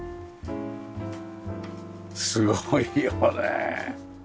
すごいよね。